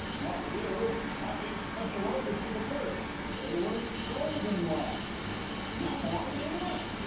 "Not you. I gave special orders to the clerks. They weren't sold in lots." "No more they wa'n't.